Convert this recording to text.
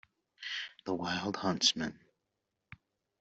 The wild huntsman.